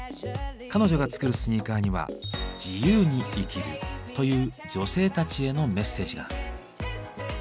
彼女が作るスニーカーには「自由に生きる」という女性たちへのメッセージが。